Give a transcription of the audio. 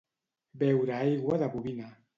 Beure aigua de bovina.